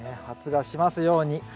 発芽しますように。